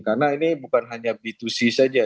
karena ini bukan hanya b dua c saja